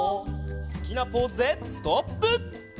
「好きなポーズでストップ！」